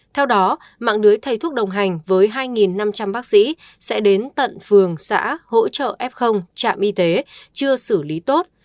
theo đó mạng lưới thầy thuốc đồng hành với hai năm trăm linh bác sĩ sẽ đến tận phường xã hỗ trợ f trạm y tế chưa xử lý tốt